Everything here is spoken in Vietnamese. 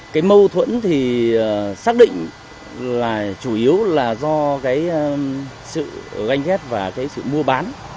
cái mâu thuẫn thì xác định là chủ yếu là do cái sự ganh ghét và cái sự mua bán